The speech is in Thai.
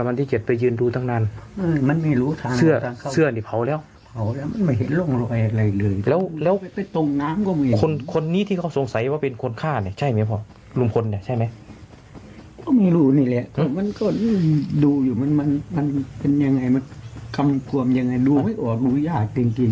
มันก็ดูอยู่มันเป็นยังไงมันกำกวมยังไงดูไม่ออกดูยากจริง